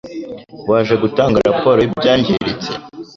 Waje gutanga raporo yibyangiritse?